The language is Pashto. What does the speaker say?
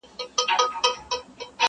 را ته ووایه عرضونه وکړم چا ته؛